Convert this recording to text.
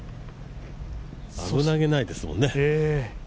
危なげないですもんね。